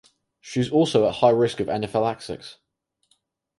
She is also at high risk of anaphylaxis.